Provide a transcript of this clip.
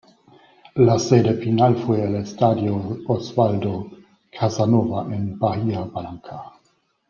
La sede final fue el Estadio Osvaldo Casanova, en Bahía Blanca.